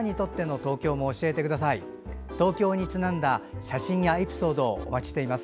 東京にちなんだ写真やエピソードをお待ちしています。